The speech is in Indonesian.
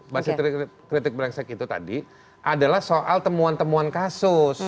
basis kritik brengsek itu tadi adalah soal temuan temuan kasus